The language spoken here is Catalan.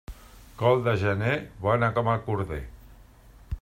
Col de gener, bona com el corder.